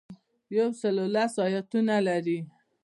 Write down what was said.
یو سل لس ایاتونه لري.